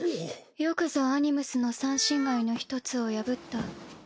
よくぞアニムスの三神骸の一つを破った。